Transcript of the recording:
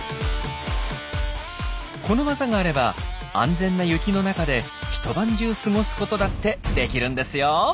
この技があれば安全な雪の中で一晩中過ごすことだってできるんですよ。